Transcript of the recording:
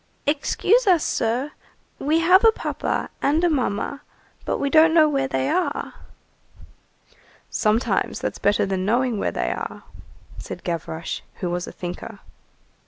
"Excuse us, sir, we have a papa and a mamma, but we don't know where they are." "Sometimes that's better than knowing where they are," said Gavroche, who was a thinker.